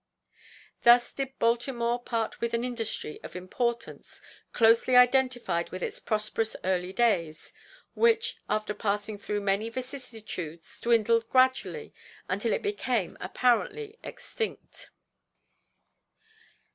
Thus did Baltimore part with an industry of importance closely identified with its prosperous early days, which, after passing through many vicissitudes, dwindled gradually until it became apparently extinct.